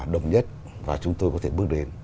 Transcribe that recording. đồng nhất và chúng tôi có thể bước đến